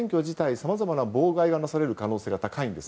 さまざまな妨害をされる可能性が高いんです。